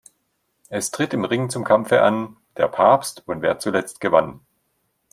Es tritt im Ring zum Kampfe an: Der Papst und wer zuletzt gewann.